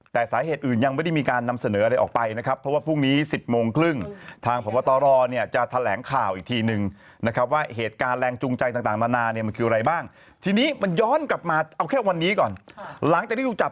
แต่สาเหตุอื่นยังไม่ได้มีการนำเสนออะไรออกไปนะครับ